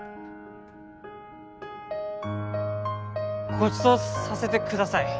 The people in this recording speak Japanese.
ごちそうさせてください